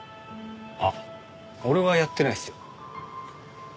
あっ俺はやってないっすよ。